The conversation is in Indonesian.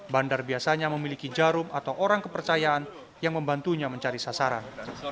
bandar biasanya memiliki jarum atau orang kepercayaan yang membantunya mencari sasaran